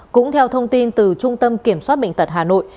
cũng theo thông tin từ trung tâm kiểm soát bệnh tật hà nội